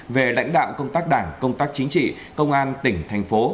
về lãnh đạo công tác đảng công tác chính trị công an tỉnh thành phố